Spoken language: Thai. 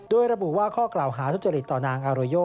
โดยระบุว่าข้อกล่าวหาทุจริตต่อนางอาโรโย